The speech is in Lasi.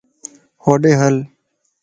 ھوڏي ھل